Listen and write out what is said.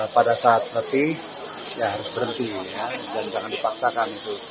pada saat letih ya harus berhenti dan jangan dipaksakan